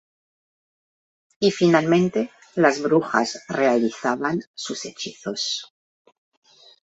Y finalmente, las brujas realizaban sus hechizos.